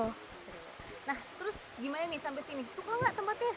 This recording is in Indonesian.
nah terus gimana nih sampai sini suka nggak tempatnya